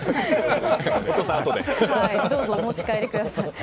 どうぞお持ち帰りください。